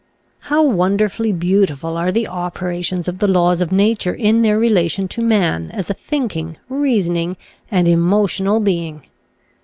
How wonderfully beautiful are the opera tions of the laws of nature in their relation to man as a thinking, reasoning, and emotional being